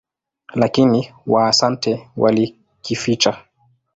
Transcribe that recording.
Lakini Waasante walikificha.